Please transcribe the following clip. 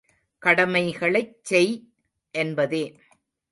கடமைகளைச் செய்! என்பதே.